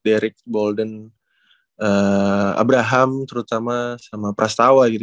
derick bolden abraham terutama sama prastawa gitu